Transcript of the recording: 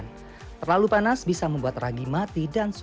jadi kita bisa menghidupkan suhu